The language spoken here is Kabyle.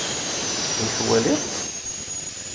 I twaliḍ?